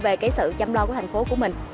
về sự chăm lo của thành phố của mình